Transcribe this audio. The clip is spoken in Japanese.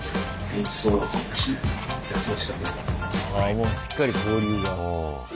ああもうしっかり交流が。